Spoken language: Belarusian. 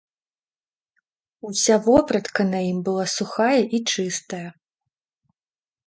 Уся вопратка на ім была сухая і чыстая.